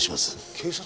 警察？